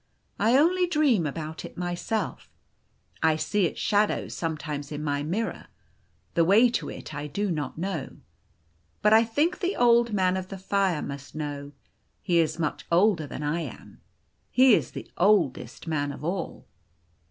I only dream about it myself. I see its shadows sometimes in my mirror: 204 The Golden Key the way to it I do uot know. But I think the Old Man of the Fire must know. He is much older than I am. He is the oldest man of all."